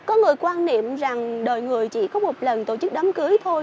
có người quan niệm rằng đời người chỉ có một lần tổ chức đám cưới thôi